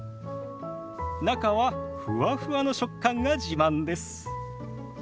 中はふわふわの食感が自慢です。